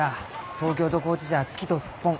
東京と高知じゃ月とスッポン。